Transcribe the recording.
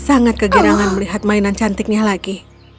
sangat kegerangan melihat mainan cantiknya lagi